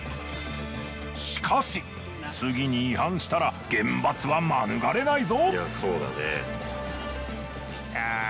しかし次に違反したら厳罰は免れないぞ。